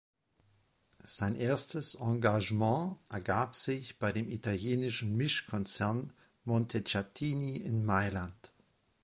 Sein erstes Engagement ergab sich bei dem italienischen Mischkonzern Montecatini in Mailand.